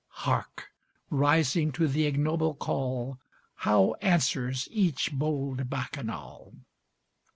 Hark! rising to the ignoble call, How answers each bold Bacchanal!